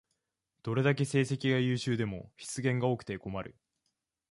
どれだけ成績が優秀でも失言が多くて困る